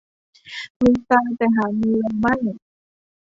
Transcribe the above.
มีตาแต่หามีแววไม่